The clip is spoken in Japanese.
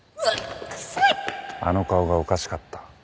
あの顔がおかしかった。